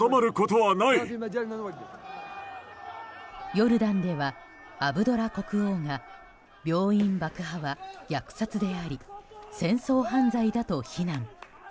ヨルダンではアブドラ国王が病院爆破は虐殺であり戦争犯罪だと非難。